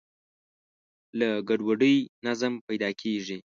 له ګډوډۍ نظم پیدا کېږي.